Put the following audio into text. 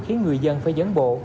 khiến người dân phải dấn bộ